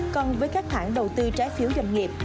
còn với các hãng đầu tư trái phiếu doanh nghiệp